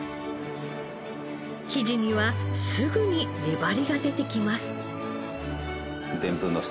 生地にはすぐに粘りが出てきます。